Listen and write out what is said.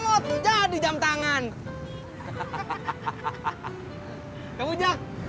buah pak cicengnya